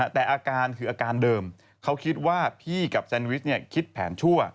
แต่อาการคืออาการเดิมเขาคิดว่าพี่กับแซนวิชคิดแผนชั่ว